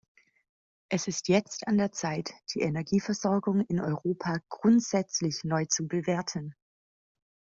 Es ist jetzt an der Zeit, die Energieversorgung in Europa grundsätzlich neu zu bewerten.